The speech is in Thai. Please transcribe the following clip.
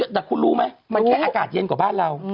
แต่คุณรู้ไหมมันแค่อากาศเย็นกว่าบ้านเรา